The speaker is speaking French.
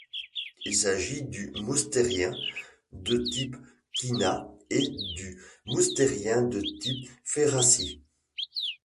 Il s'agit du Moustérien de type Quina et du Moustérien de type Ferrassie.